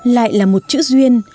lại là một chữ duyên